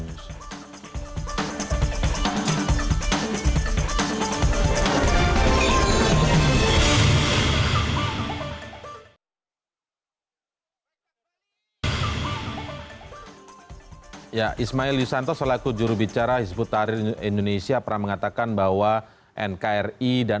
ya ismail yusanto selaku jurubicara isbutarir indonesia pernah mengatakan bahwa nkri dan